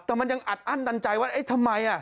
แต่มันยังอัดอั้นตันใจว่าเอ๊ะทำไม